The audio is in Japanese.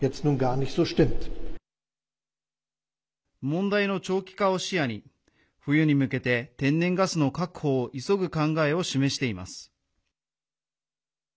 問題の長期化を視野に冬に向けて天然ガスの確保を急ぐ考えを示しています。